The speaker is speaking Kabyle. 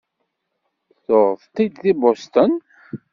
Tuɣeḍ-t-id deg Boston?